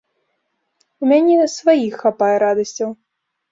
У мяне сваіх хапае радасцяў.